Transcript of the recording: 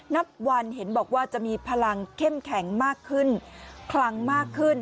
นับวันเห็นบอกว่าจะมีพลังเข้มแข็งมากขึ้นคลังมากขึ้น